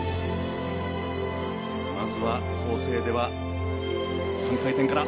まずは、構成では３回転から。